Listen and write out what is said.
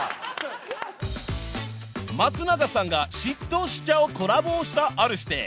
［松永さんが嫉妬をしちゃうコラボをしたＲ−指定］